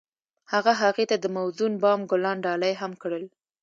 هغه هغې ته د موزون بام ګلان ډالۍ هم کړل.